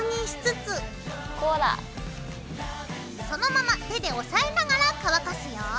そのまま手で押さえながら乾かすよ。